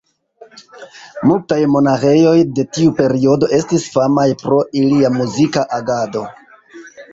Multaj monaĥejoj de tiu periodo estis famaj pro ilia muzika agado.